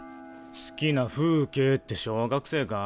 「好きな風景」って小学生か？